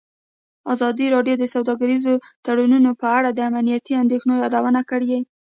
ازادي راډیو د سوداګریز تړونونه په اړه د امنیتي اندېښنو یادونه کړې.